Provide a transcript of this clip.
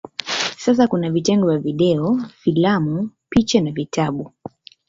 Sasa kuna vitengo vya video, filamu, picha na vitabu.